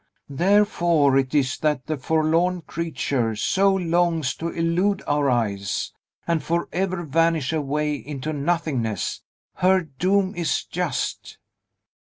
Therefore it is that the forlorn creature so longs to elude our eyes, and forever vanish away into nothingness! Her doom is just!"